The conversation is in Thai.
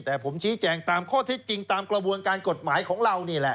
แต่ผมชี้แจงตามข้อเท็จจริงตามกระบวนการกฎหมายของเรานี่แหละ